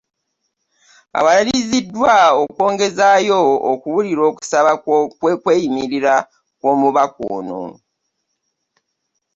Awaliriziddwa okwongezaayo okuwulira okusaba kw'okweyimirira kw'Omubaka ono.